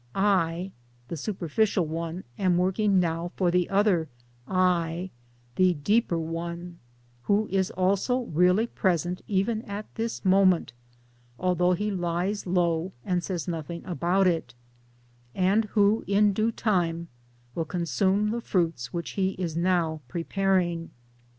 I, the superficial one, am working now for the other "I," the deeper one who is also really present even at this moment (although he lies low and says nothing about it) and who in due time will consume the fruits which he is now preparing.